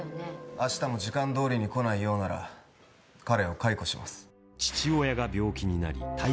あしたも時間通りに来ないようなら彼を解雇します。